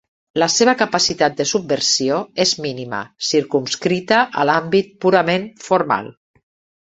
La seva capacitat de subversió és mínima, circumscrita a l'àmbit purament formal.